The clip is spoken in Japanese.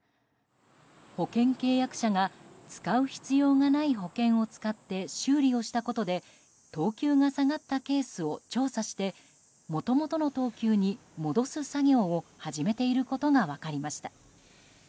保険契約者が使う必要がない保険を使って修理をしたことで等級が下がったケースを調査してもともとの等級に戻す作業を始めていることが分かりました。